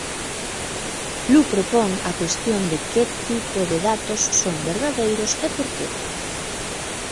Lou propón a cuestión de que tipo de datos son verdadeiros e porqué.